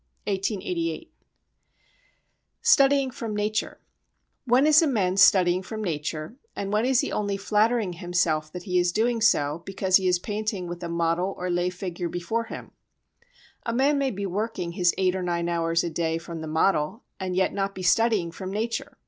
[1888.] Studying from Nature When is a man studying from nature, and when is he only flattering himself that he is doing so because he is painting with a model or lay figure before him? A man may be working his eight or nine hours a day from the model and yet not be studying from nature.